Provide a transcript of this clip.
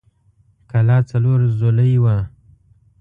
کلا څلور ضلعۍ وه.